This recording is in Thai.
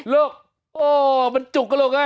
ลูกโอ๊ยมันจุกละลูกไง